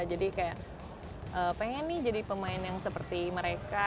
jadi pengen nih jadi pemain yang seperti mereka